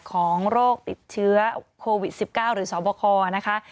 ของโรคติดเชื้อโควิด๑๙หรือสบคนะคะ